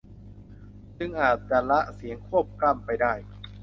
จึงอาจจะละเสียงควบกล้ำไปได้